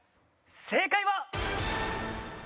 正解は。